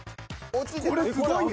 これすごいよ。